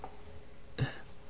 えっ？